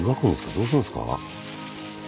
どうするんすか？